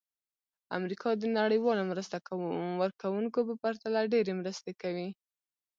امریکا د نړیوالو مرسته ورکوونکو په پرتله ډېرې مرستې کوي.